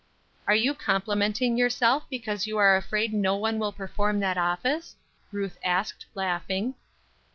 "Are you complimenting yourself because you are afraid no one will perform that office?" Ruth asked, laughing.